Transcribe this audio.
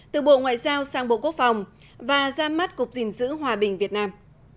từ bộ ngoại giao sang bộ quốc phòng và ra mắt cục gìn giữ hòa bình việt nam